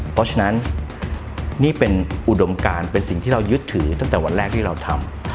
เพราะฉะนั้นนี่เป็นอุดมการเป็นสิ่งที่เรายึดถือตั้งแต่วันแรกที่เราทำ